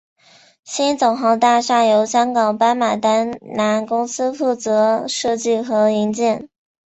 新总行大厦由香港巴马丹拿公司负责设计和营建。